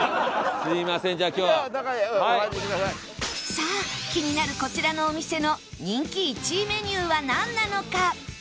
さあ気になるこちらのお店の人気１位メニューはなんなのか？